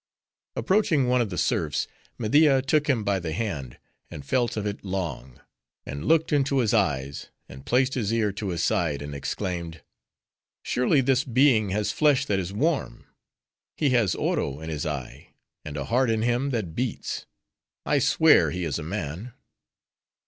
Approaching one of the serfs, Media took him by the hand, and felt of it long; and looked into his eyes; and placed his ear to his side; and exclaimed, "Surely this being has flesh that is warm; he has Oro in his eye; and a heart in him that beats. I swear he is a man."